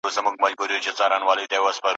دلته برېتورو له مردیه لاس پرېولی دی